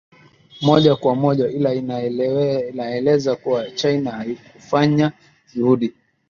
moja kwa moja ila inaeleza kuwa china haikufanya juhudi